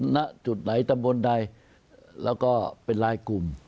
ณจุดไหนตำบลใดแล้วก็เป็นลายกลุ่ม